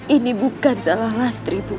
ini bukan salah ngastri bu